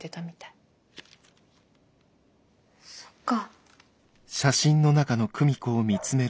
そっか。